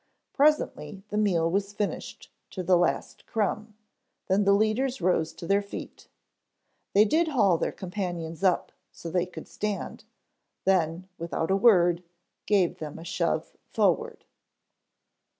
Presently the meal was finished to the last crumb, then the leaders rose to their feet. They did haul their companions up so they could stand, then without a word, gave them a shove forward.